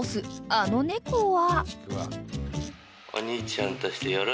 あの猫は］